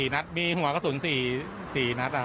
นัดมีหัวกระสุน๔นัด